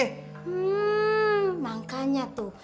hmm makanya tuh